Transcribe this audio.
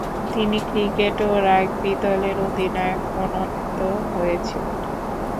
তিনি ক্রিকেট ও রাগবি দলের অধিনায়ক মনোনীত হয়েছিলেন।